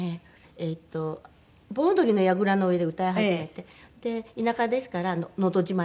えっと盆踊りのやぐらの上で歌い始めて田舎ですからのど自慢に出たり。